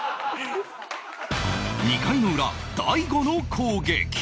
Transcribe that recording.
２回の裏大悟の攻撃